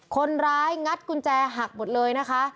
คนร้ายงัดกุญแจหักหมดเลยนะคะ